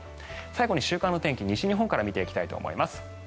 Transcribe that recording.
最後に週間の天気、西日本から見ていきたいと思います。